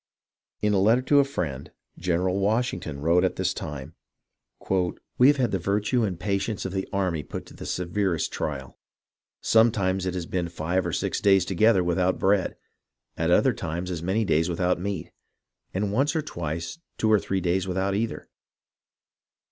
In a letter to a friend, General Washington wrote at this time :" We have had the virtue and patience of the 303 304 HISTORY OF THE AMERICAN REVOLUTION army put to the severest trial. Sometimes it has been five or six days together without bread, at other times as many days without meat, and once or twice two or three days without either.